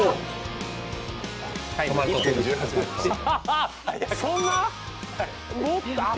タイム１分１８秒でした。